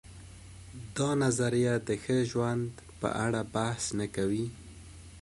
دا نظریه د ښه ژوند په اړه بحث نه کوي.